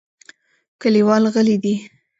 کلیوال غلي دي .